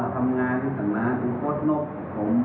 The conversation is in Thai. เขาได้หวังความประโยชน์ก็บะขาย